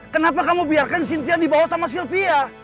kenapa kamu biarkan sintia dibawa sama sylvia